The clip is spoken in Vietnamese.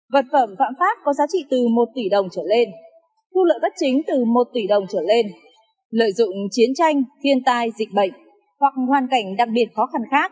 vật phẩm phạm pháp có giá trị từ một tỷ đồng trở lên thu lợi bất chính từ một tỷ đồng trở lên lợi dụng chiến tranh thiên tai dịch bệnh hoặc hoàn cảnh đặc biệt khó khăn khác